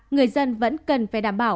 người dân vẫn cần phải đảm bảo